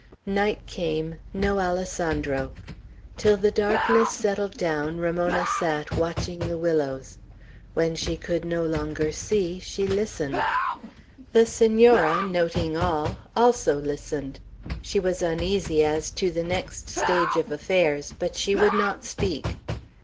Night came; no Alessandro. Till the darkness settled down, Ramona sat, watching the willows. When she could no longer see, she listened. The Senora, noting all, also listened. She was uneasy as to the next stage of affairs, but she would not speak.